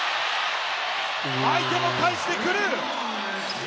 相手も返してくる！